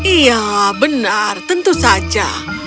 iya benar tentu saja